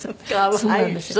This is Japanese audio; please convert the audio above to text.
そうなんですよ。